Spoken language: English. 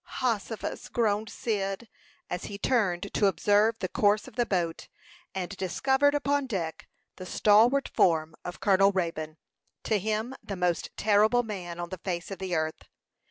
"Hossifus!" groaned Cyd, as he turned to observe the course of the boat, and discovered upon deck the stalwart form of Colonel Raybone to him the most terrible man on the face of the earth.